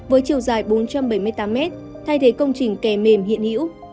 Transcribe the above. với chiều dài bốn trăm bảy mươi tám mét thay thế công trình kè mềm hiện hữu